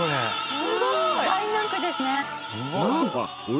すごいよ。